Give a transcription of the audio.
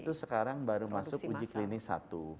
itu sekarang baru masuk uji klinis satu